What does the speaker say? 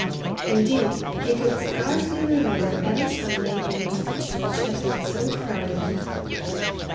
Indeed, he could scarcely remember any Sunday on which the church had been so crowded.